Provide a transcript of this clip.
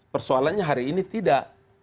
persoalannya hari ini tidak